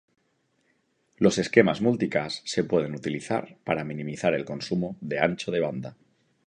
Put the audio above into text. Los esquemas multicast se pueden utilizar para minimizar el consumo de ancho de banda.